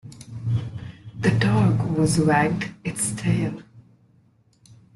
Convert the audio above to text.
The dog was wagged its tail.